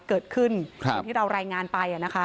เกิดขึ้นที่เรารายงานไป